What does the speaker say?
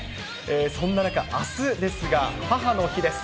そんな中、あすですが、母の日です。